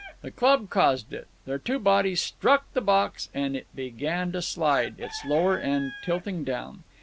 The club caused it. Their two bodies struck the box, and it began to slide, its lower end tilting down.